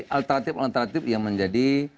alternatif alternatif yang menjadi